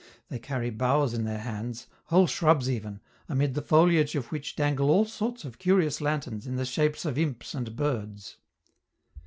They carry boughs in their hands, whole shrubs even, amid the foliage of which dangle all sorts of curious lanterns in the shapes of imps and birds.